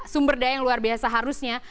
sumber daya yang luar biasa harusnya